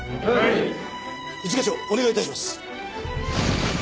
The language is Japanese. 一課長お願い致します。